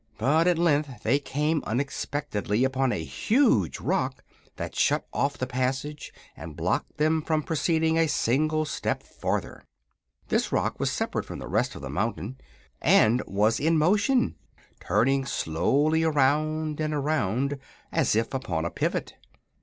But at length they came unexpectedly upon a huge rock that shut off the passage and blocked them from proceeding a single step farther. This rock was separate from the rest of the mountain and was in motion, turning slowly around and around as if upon a pivot.